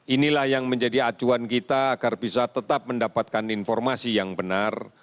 inilah yang menjadi acuan kita agar bisa tetap mendapatkan informasi yang benar